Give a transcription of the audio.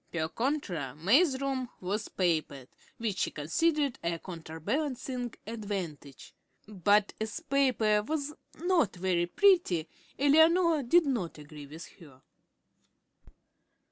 Per contra May's room was papered, which she considered a counterbalancing advantage; but as the paper was not very pretty, Eleanor did not agree with her.